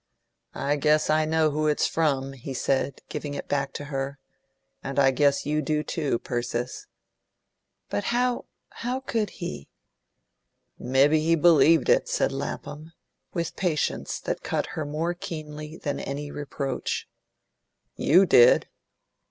"I guess I know who it's from," he said, giving it back to her, "and I guess you do too, Persis." "But how how could he " "Mebbe he believed it," said Lapham, with patience that cut her more keenly than any reproach. "YOU did."